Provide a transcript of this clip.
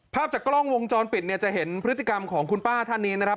ภาพจากกล้องวงจรปิดเนี่ยจะเห็นพฤติกรรมของคุณป้าท่านนี้นะครับ